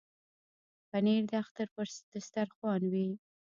پنېر د اختر پر دسترخوان وي.